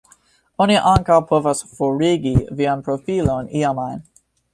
Oni ankaŭ povas "forigi" vian profilon iam ajn.